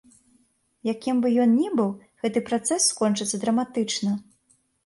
Якім бы ён ні быў, гэты працэс скончыцца драматычна.